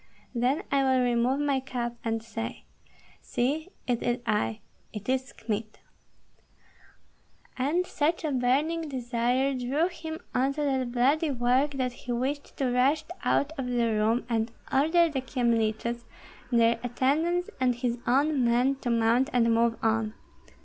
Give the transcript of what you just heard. Then I will remove my cap and say, 'See, it is I, it is Kmita!'" And such a burning desire drew him on to that bloody work that he wished to rush out of the room and order the Kyemliches, their attendants, and his own men to mount and move on.